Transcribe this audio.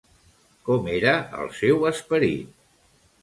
Com era el seu esperit?